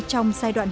trong giai đoạn này